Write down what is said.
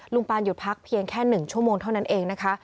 ปานหยุดพักเพียงแค่๑ชั่วโมงเท่านั้นเองนะคะ